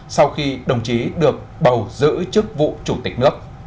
sau khi đồng chí được bầu giữ chức vụ chủ tịch nước